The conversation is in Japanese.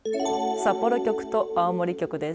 札幌局と青森局です。